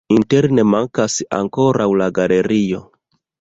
Interne mankas ankraŭ la galerio.